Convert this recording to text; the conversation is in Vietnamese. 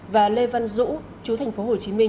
và lê văn dũ chú thành phố hồ chí minh